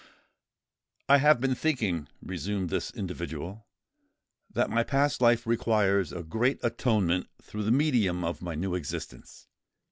"I have been thinking," resumed this individual, "that my past life requires a great atonement through the medium of my new existence.